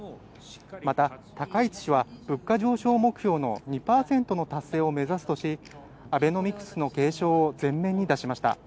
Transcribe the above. また、高市氏は物価上昇目標の２％の達成を目指すとし、アベノミクスの継承を前面に出しました。